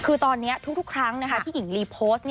คือตอนนี้ทุกครั้งที่หญิงลีโพสต์